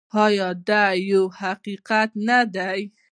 آیا دا یو حقیقت نه دی؟